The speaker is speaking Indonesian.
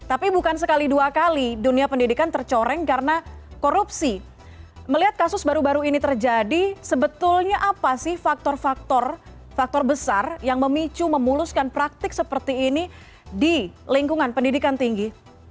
ada faktor faktor besar yang memicu memuluskan praktik seperti ini di lingkungan pendidikan tinggi